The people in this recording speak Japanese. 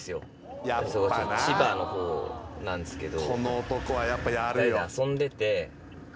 ちょっと千葉の方なんですけど。